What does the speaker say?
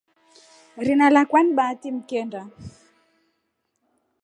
Rina lakwa ni Bahati mkenda.